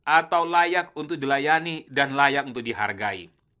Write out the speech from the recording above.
atau layak untuk dilayani dan layak untuk dihargai